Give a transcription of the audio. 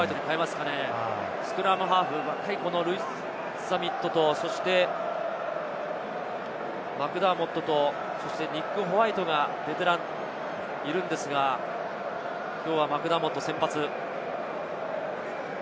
スクラムハーフ、若いルイス・リース＝ザミットと、マクダーモットとニック・ホワイト、ベテランがいるんですが、きょうはマクダーモットを先発。